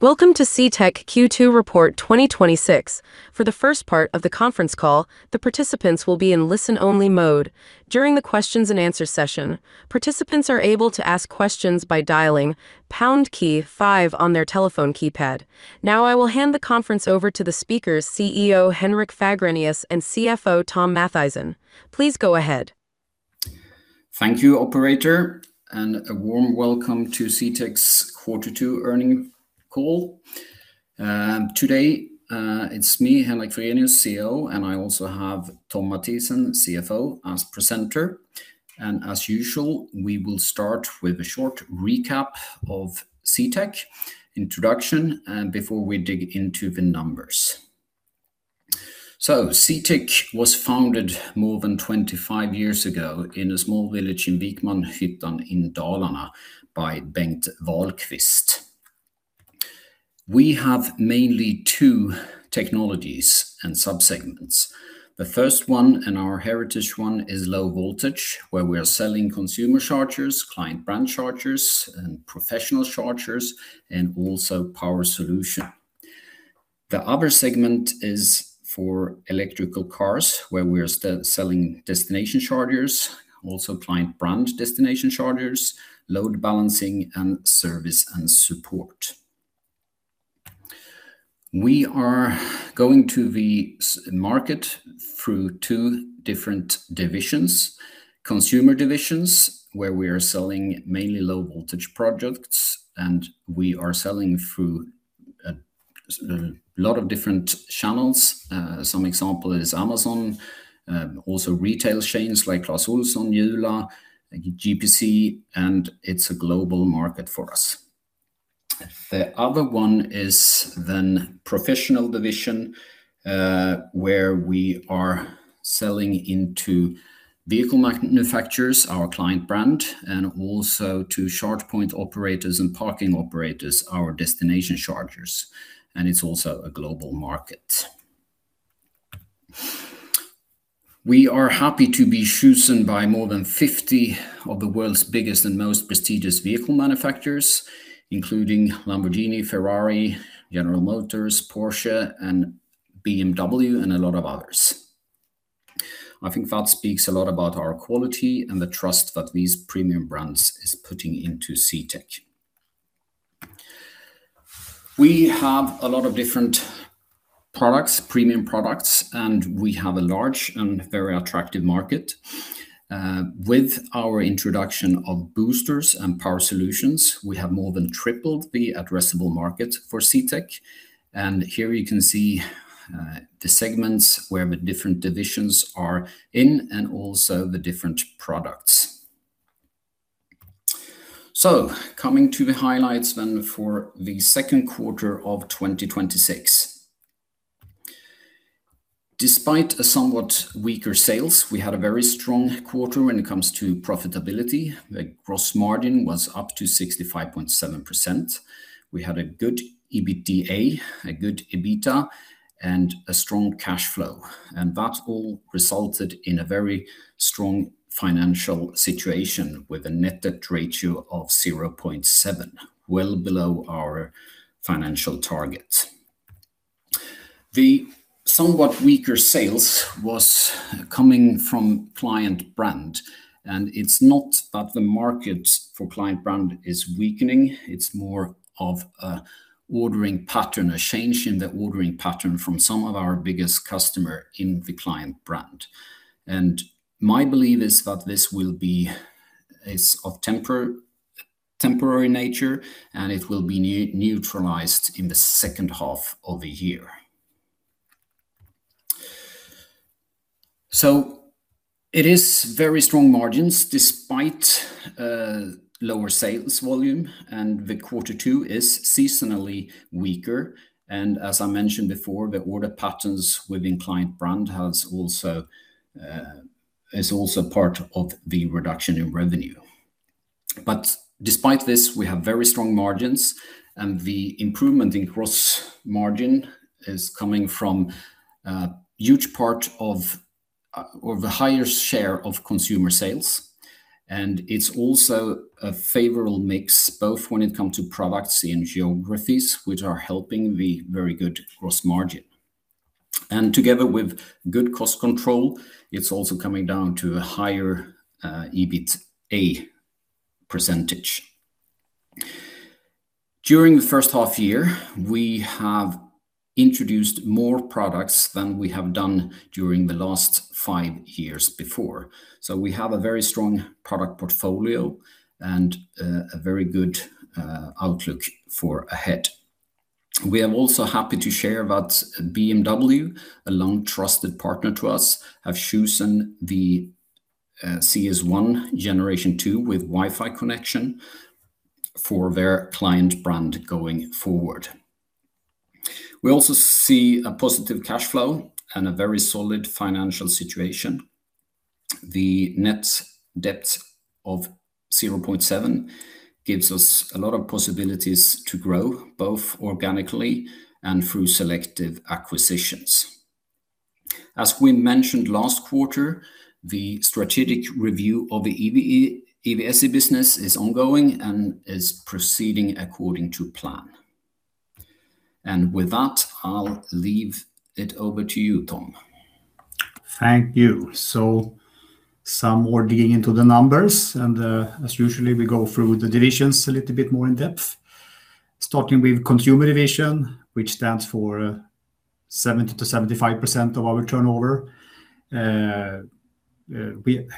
Welcome to CTEK Q2 Report 2026. For the first part of the conference call, the participants will be in listen-only mode. During the questions and answer session, participants are able to ask questions by dialing pound key five on their telephone keypad. Now I will hand the conference over to the speakers, CEO Henrik Fagrenius and CFO Thom Mathisen. Please go ahead. Thank you, operator, and a warm welcome to CTEK's Quarter 2 Earnings call. Today, it's me, Henrik Fagrenius, CEO, and I also have Thom Mathisen, CFO, as presenter. As usual, we will start with a short recap of CTEK introduction before we dig into the numbers. CTEK was founded more than 25 years ago in a small village in Vikmanshyttan, Sweden in Dalarna by Bengt Wahlqvist. We have mainly two technologies and sub-segments. The first one, our heritage one, is low voltage, where we are selling consumer chargers, client brand chargers, and professional chargers, and also power solution. The other segment is for electric cars, where we're selling destination chargers, also client brand destination chargers, load balancing, and service and support. We are going to the market through two different divisions, consumer divisions, where we are selling mainly low-voltage products. We are selling through a lot of different channels. Some example is Amazon, also retail chains like Clas Ohlson, Jula, like GPC. It's a global market for us. The other one is professional division, where we are selling into vehicle manufacturers, our client brand, and also to charge point operators and parking operators, our destination chargers. It's also a global market. We are happy to be chosen by more than 50 of the world's biggest and most prestigious vehicle manufacturers, including Lamborghini, Ferrari, General Motors, Porsche, and BMW, and a lot of others. I think that speaks a lot about our quality and the trust that these premium brands is putting into CTEK. We have a lot of different premium products. We have a large and very attractive market. With our introduction of boosters and power solutions, we have more than tripled the addressable market for CTEK. Here you can see the segments where the different divisions are in and also the different products. Coming to the highlights for the second quarter of 2026. Despite a somewhat weaker sales, we had a very strong quarter when it comes to profitability. The gross margin was up to 65.7%. We had a good EBITDA, a good EBITA. A strong cash flow. That all resulted in a very strong financial situation with a net debt ratio of 0.7, well below our financial target. The somewhat weaker sales was coming from client brand, it's not that the market for client brand is weakening, it's more of a change in the ordering pattern from some of our biggest customer in the client brand. My belief is that this is of temporary nature, it will be neutralized in the second half of the year. It is very strong margins despite lower sales volume, the quarter two is seasonally weaker. As I mentioned before, the order patterns within client brand is also part of the reduction in revenue. Despite this, we have very strong margins, the improvement in gross margin is coming from a huge part of the higher share of consumer sales. It's also a favorable mix, both when it comes to products and geographies, which are helping the very good gross margin. Together with good cost control, it's also coming down to a higher EBITDA percentage. During the first half year, we have introduced more products than we have done during the last five years before. We have a very strong product portfolio and a very good outlook for ahead. We are also happy to share about BMW, a long-trusted partner to us, have chosen the CS ONE (Gen 2) with Wi-Fi connection for their client brand going forward. We also see a positive cash flow and a very solid financial situation. The net debt of 0.7 gives us a lot of possibilities to grow, both organically and through selective acquisitions. As we mentioned last quarter, the strategic review of the EVSE business is ongoing and is proceeding according to plan. With that, I'll leave it over to you, Thom. Thank you. Some more digging into the numbers, and as usually, we go through the divisions a little bit more in depth, starting with consumer division, which stands for 70%-75% of our turnover.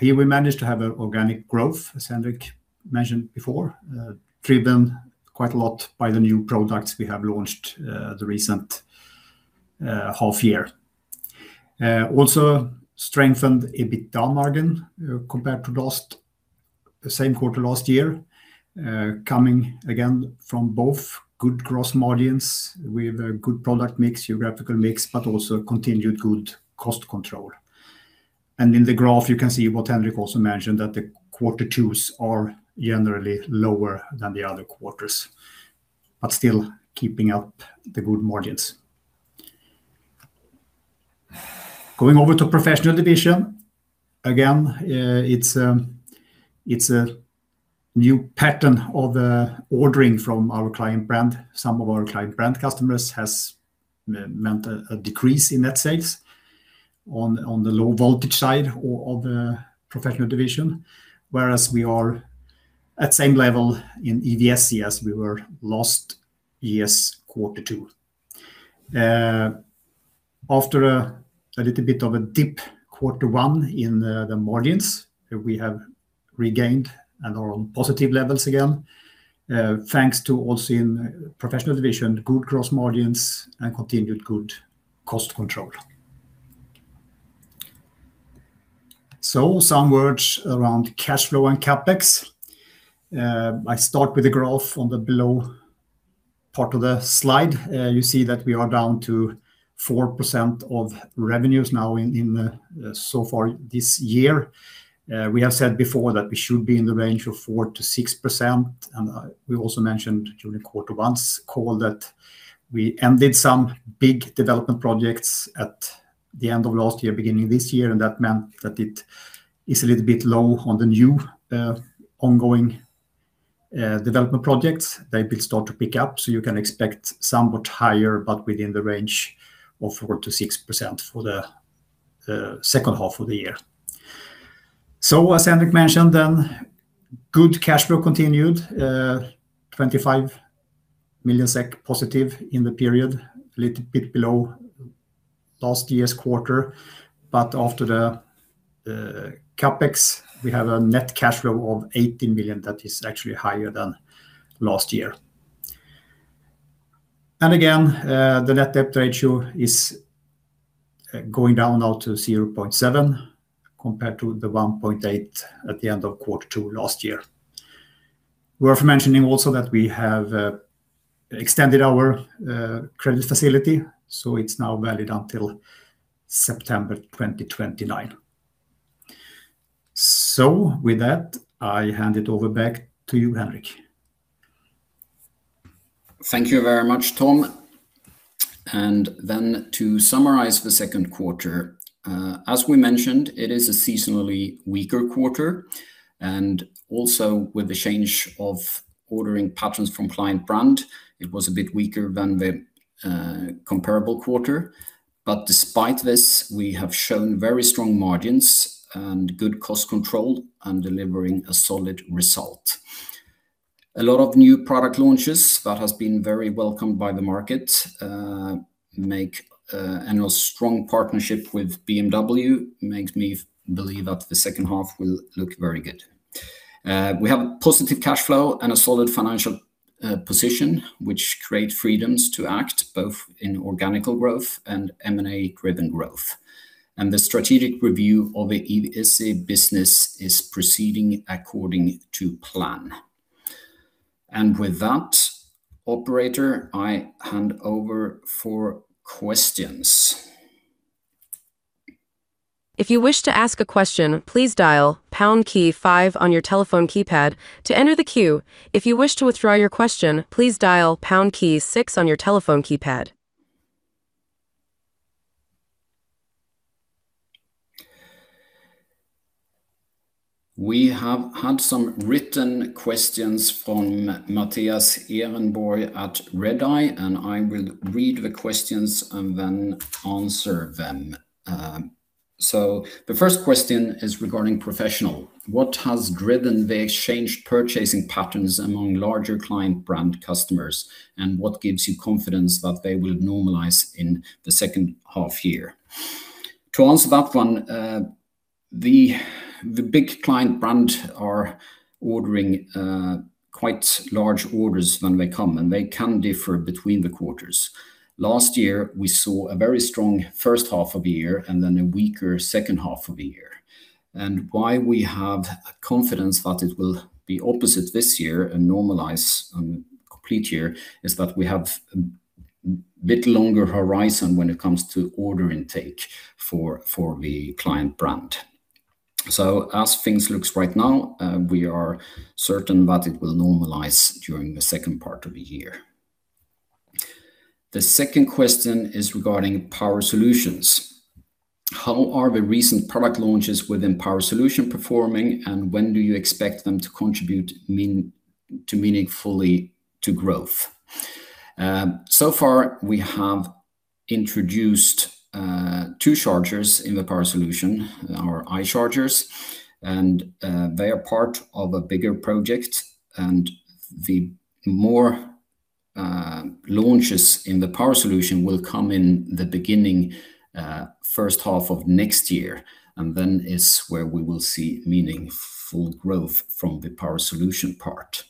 Here we managed to have organic growth, as Henrik mentioned before, driven quite a lot by the new products we have launched the recent half-year. Also strengthened EBIT margin compared to the same quarter last year, coming again from both good gross margins with a good product mix, geographical mix, but also continued good cost control. In the graph you can see what Henrik also mentioned, that the quarter twos are generally lower than the other quarters, but still keeping up the good margins. Going over to professional division, again, it's a new pattern of ordering from our client brand. Some of our client brand customers has meant a decrease in net sales on the low voltage side of the professional division, whereas we are at same level in EVSE as we were last year's quarter two. After a little bit of a dip quarter one in the margins, we have regained and are on positive levels again, thanks to also in professional division, good gross margins and continued good cost control. Some words around cash flow and CapEx. I start with the graph on the below part of the slide. You see that we are down to 4% of revenues now so far this year. We have said before that we should be in the range of 4%-6%, and we also mentioned during quarter one's call that we ended some big development projects at the end of last year, beginning of this year, and that meant that it is a little bit low on the new ongoing development projects. They will start to pick up, you can expect somewhat higher, but within the range of 4%-6% for the second half of the year. As Henrik mentioned, good cash flow continued, 25 million SEK positive in the period, a little bit below last year's quarter. After the CapEx, we have a net cash flow of 18 million that is actually higher than last year. Again, the net debt ratio is going down now to 0.7 compared to the 1.8 at the end of quarter two last year. Worth mentioning also that we have extended our credit facility, so it's now valid until September 2029. With that, I hand it over back to you, Henrik. Thank you very much, Thom. To summarize the second quarter, as we mentioned, it is a seasonally weaker quarter, and also with the change of ordering patterns from client brand, it was a bit weaker than the comparable quarter. Despite this, we have shown very strong margins and good cost control and delivering a solid result. A lot of new product launches that has been very welcomed by the market and a strong partnership with BMW makes me believe that the second half will look very good. We have positive cash flow and a solid financial position, which create freedoms to act both in organical growth and M&A driven growth. The strategic review of the EVSE business is proceeding according to plan. With that, operator, I hand over for questions. If you wish to ask a question, please dial pound key five on your telephone keypad to enter the queue. If you wish to withdraw your question, please dial pound key six on your telephone keypad. We have had some written questions from Mattias Ehrenborg at Redeye. I will read the questions and then answer them. The first question is regarding professional. What has driven the changed purchasing patterns among larger client brand customers, and what gives you confidence that they will normalize in the second half year? To answer that one, the big client brand are ordering quite large orders when they come, and they can differ between the quarters. Last year, we saw a very strong first half of the year and then a weaker second half of the year. Why we have confidence that it will be opposite this year and normalize on complete year is that we have a bit longer horizon when it comes to order intake for the client brand. As things looks right now, we are certain that it will normalize during the second part of the year. The second question is regarding power solutions. How are the recent product launches within power solution performing, and when do you expect them to contribute meaningfully to growth? So far, we have introduced two chargers in the power solution, our iChargers, and they are part of a bigger project. The more launches in the power solution will come in the beginning first half of next year, and then is where we will see meaningful growth from the power solution part.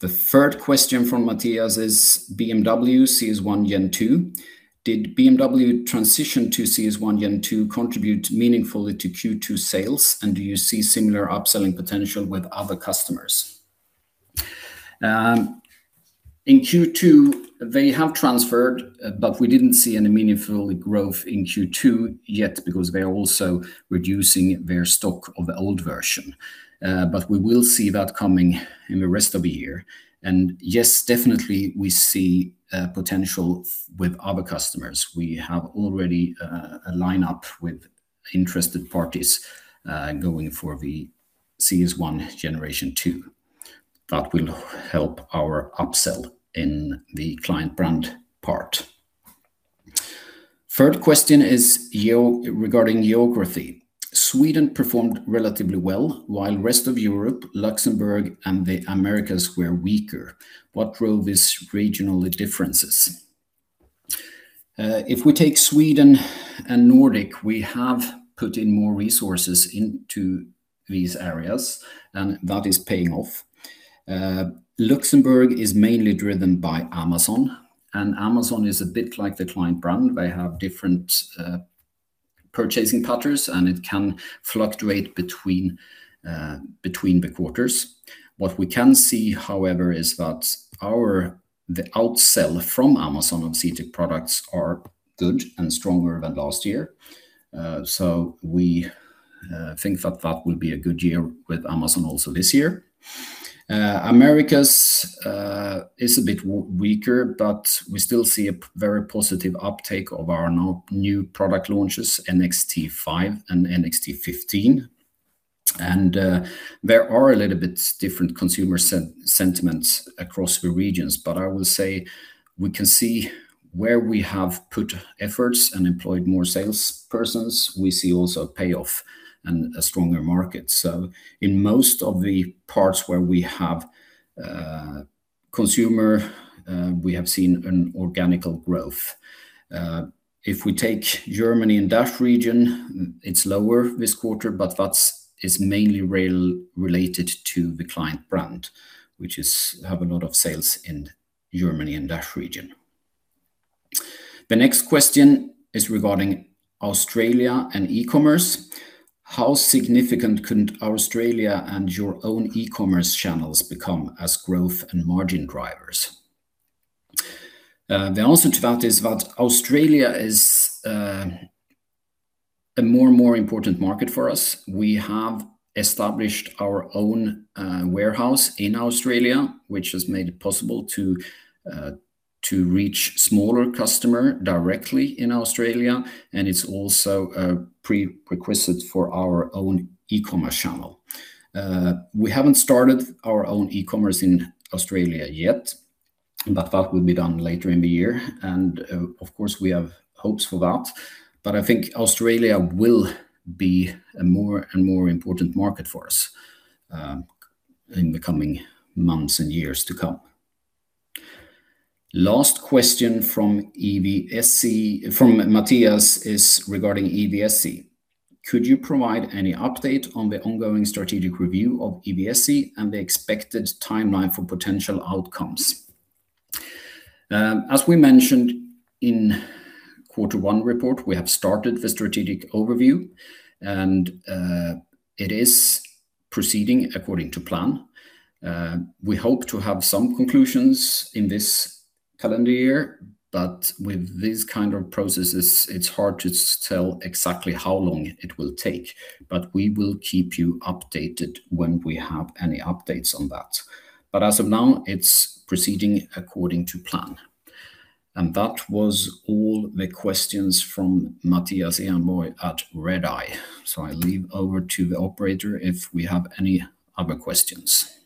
The third question from Mattias is BMW CS ONE Gen 2. Did BMW transition to CS ONE Gen 2 contribute meaningfully to Q2 sales, and do you see similar upselling potential with other customers? In Q2, they have transferred, but we didn't see any meaningful growth in Q2 yet because they're also reducing their stock of the old version. But we will see that coming in the rest of the year. And yes, definitely, we see potential with other customers. We have already a lineup with interested parties going for the CS ONE Generation 2. That will help our upsell in the client brand part. Third question is regarding geography. Sweden performed relatively well, while rest of Europe, Luxembourg, and the Americas were weaker. What drove these regional differences? If we take Sweden and Nordic, we have put in more resources into these areas, and that is paying off. Luxembourg is mainly driven by Amazon, and Amazon is a bit like the client brand. They have different purchasing patterns, and it can fluctuate between the quarters. What we can see, however, is that the outsell from Amazon of CTEK products are good and stronger than last year. So we think that that will be a good year with Amazon also this year. Americas is a bit weaker, but we still see a very positive uptake of our new product launches, NXT 5 and NXT 15. And there are a little bit different consumer sentiments across the regions, but I will say we can see where we have put efforts and employed more salespersons. We see also a payoff and a stronger market. So in most of the parts where we have consumer, we have seen an organic growth. If we take Germany and DACH region, it's lower this quarter, but that is mainly related to the client brand, which have a lot of sales in Germany and DACH region. The next question is regarding Australia and e-commerce. How significant could Australia and your own e-commerce channels become as growth and margin drivers? The answer to that is that Australia is a more and more important market for us. We have established our own warehouse in Australia, which has made it possible to reach smaller customer directly in Australia, and it's also a prerequisite for our own e-commerce channel. We haven't started our own e-commerce in Australia yet, but that will be done later in the year. Of course, we have hopes for that. I think Australia will be a more and more important market for us in the coming months and years to come. Last question from Mattias is regarding EVSE. Could you provide any update on the ongoing strategic review of EVSE and the expected timeline for potential outcomes? As we mentioned in Q1 report, we have started the strategic review, and it is proceeding according to plan. We hope to have some conclusions in this calendar year, but with these kind of processes, it's hard to tell exactly how long it will take. We will keep you updated when we have any updates on that. As of now, it's proceeding according to plan. That was all the questions from Mattias Ehrenborg at Redeye. I leave over to the operator if we have any other questions.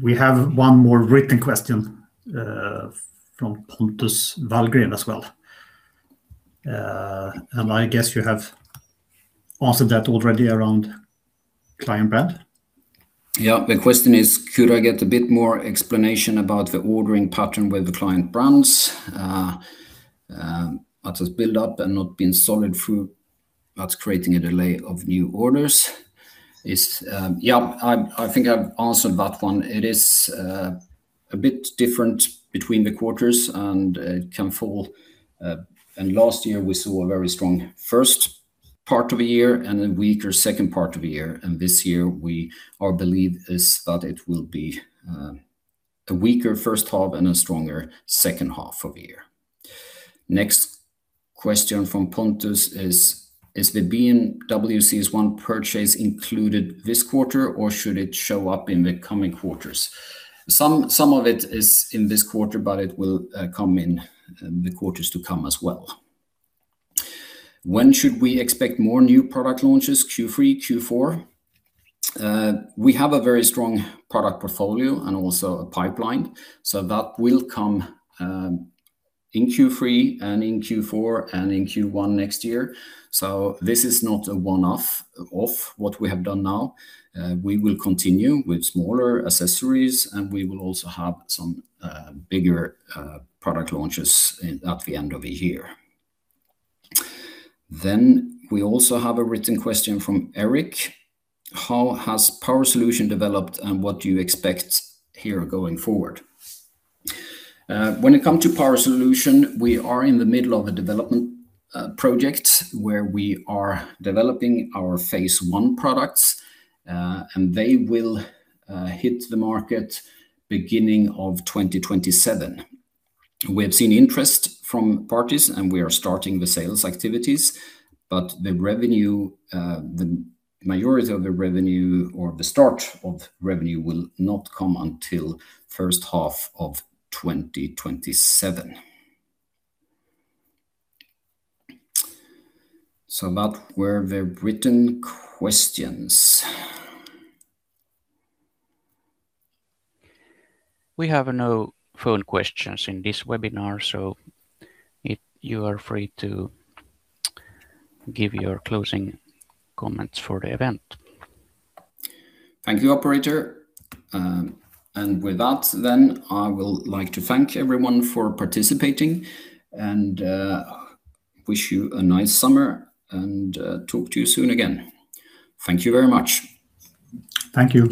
We have one more written question from Pontus Wallgren as well. I guess you have answered that already around client brand. Yeah. The question is, could I get a bit more explanation about the ordering pattern with the client brands that has built up and not been sold through that's creating a delay of new orders? Yeah. I think I've answered that one. It is a bit different between the quarters, and it can fall. Last year we saw a very strong first part of the year and a weaker second part of the year. This year our belief is that it will be a weaker first half and a stronger second half of the year. Next question from Pontus is: Is the BMW CS ONE purchase included this quarter, or should it show up in the coming quarters? Some of it is in this quarter, but it will come in the quarters to come as well. When should we expect more new product launches? Q3, Q4? We have a very strong product portfolio and also a pipeline, that will come in Q3 and in Q4 and in Q1 next year. This is not a one-off of what we have done now. We will continue with smaller accessories, we will also have some bigger product launches at the end of the year. We also have a written question from Eric: How has Power Solution developed, and what do you expect here going forward? When it comes to Power Solution, we are in the middle of a development project where we are developing our phase one products, they will hit the market beginning of 2027. We have seen interest from parties, we are starting the sales activities, but the majority of the revenue or the start of revenue will not come until first half of 2027. That were the written questions. We have no phone questions in this webinar, you are free to give your closing comments for the event. Thank you, operator. With that, I will like to thank everyone for participating and wish you a nice summer and talk to you soon again. Thank you very much. Thank you